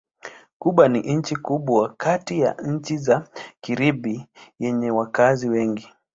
Kuba ni nchi kubwa kati ya nchi za Karibi yenye wakazi wengi.